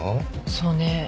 そうね。